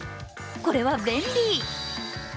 これは便利！